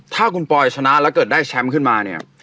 ถ้าคุณปอยชนะแล้วเกิดได้แชมป์ขึ้นมาเนี่ย